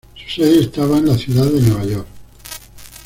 Su sede estaba en la ciudad de Nueva York.